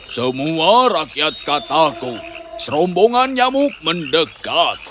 semua rakyat kataku serombongan nyamuk mendekat